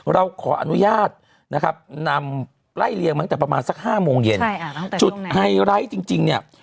เราขออนุญาตนะครับนำไล่เลียงมาตั้งแต่ประมาณสักห้าโมงเย็นใช่อ่าตั้งแต่ตรงนั้นจุดไฮไลท์จริงจริงเนี่ย